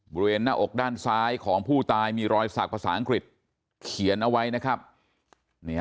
บริเวณหน้าอกด้านซ้ายของผู้ตายมีรอยสักภาษาอังกฤษเขียนเอาไว้นะครับ